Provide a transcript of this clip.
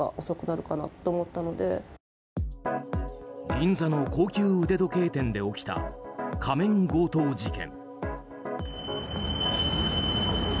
銀座の高級腕時計店で起きた仮面強盗事件。